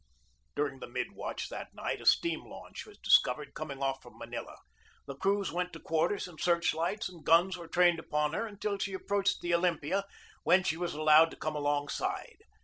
During the mid watch that night a steam launch was discovered coming off from Manila. The crews went to quarters and search lights and guns were trained upon her until she approached the Olympia, when she was allowed to come alongside.